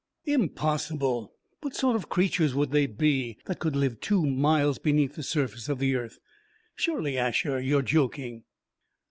] "Impossible! What sort of creatures would they be, that could live two miles beneath the surface of the earth? Surely, Asher, you are joking!"